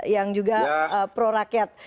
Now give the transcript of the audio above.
yang juga pro rakyat